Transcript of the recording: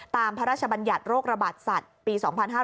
พระราชบัญญัติโรคระบาดสัตว์ปี๒๕๕๙